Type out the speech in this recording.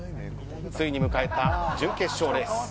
ついに迎えた準決勝レース。